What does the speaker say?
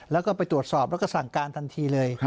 แล้วก็ไปตรวจสอบแล้วก็สั่งการทันทีเลย